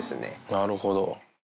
なるほど。